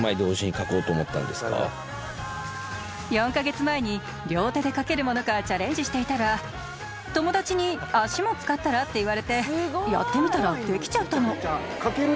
４カ月前に両手で描けるものかチャレンジしていたら友達に「足も使ったら？」って言われてやってみたらできちゃったの。